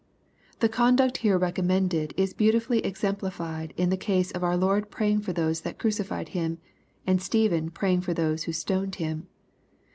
The conduct here recommended is beautifully exemplified in the case of our Lord praying for those that crucified him, and Stephen praying for those who stoned him.